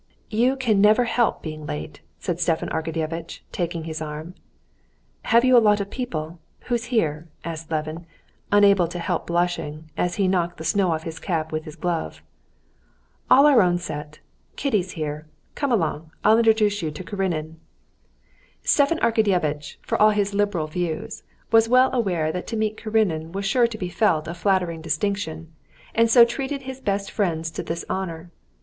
"You can never help being late!" said Stepan Arkadyevitch, taking his arm. "Have you a lot of people? Who's here?" asked Levin, unable to help blushing, as he knocked the snow off his cap with his glove. "All our own set. Kitty's here. Come along, I'll introduce you to Karenin." Stepan Arkadyevitch, for all his liberal views, was well aware that to meet Karenin was sure to be felt a flattering distinction, and so treated his best friends to this honor.